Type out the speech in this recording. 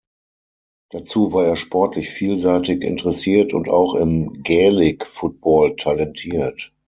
Dazu war er sportlich vielseitig interessiert und auch im Gaelic Football talentiert.